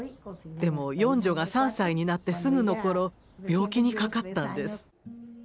でも四女が３歳になってすぐのころ病気にかかったんです。